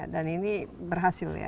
dan ini berhasil ya